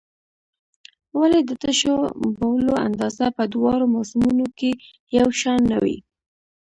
ولې د تشو بولو اندازه په دواړو موسمونو کې یو شان نه وي؟